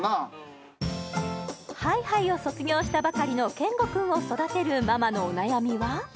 ハイハイを卒業したばかりの顕吾君を育てるママのお悩みは？